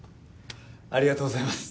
ありがとうございます。